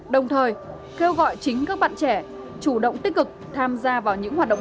đồng thời kêu gọi chính các bạn trẻ chủ động tích cực tham gia vào những hoạt động